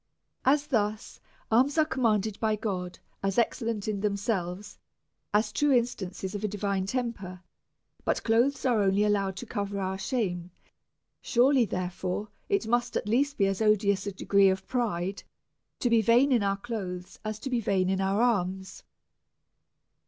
Thus alms are com manded by God as excellent in themselves, as true in stances of divine temper, but clothes are only allowed to cover our shame ; surely, therefore, it must at least be as odious a degree of pride to be vain in our clothes, as to be vain in our alms.